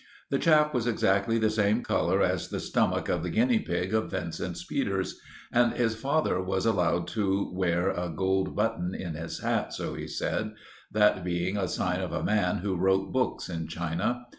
The chap was exactly the same colour as the stomach of the guinea pig of Vincent Peters; and his father was allowed to wear a gold button in his hat, so he said, that being a sign of a man who wrote books in China.